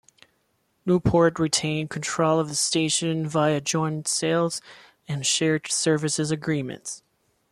Newport retained control of the station via joint sales and shared services agreements.